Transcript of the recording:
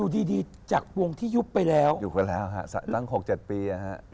ที่หยุบไปแล้วหยุบไปแล้วครับตั้ง๖๗ปีครับ